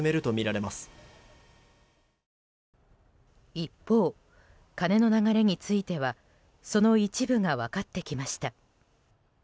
一方、金の流れについてはその一部が分かってきました。